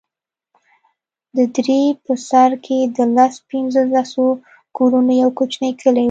د درې په سر کښې د لس پينځه لسو کورونو يو کوچنى کلى و.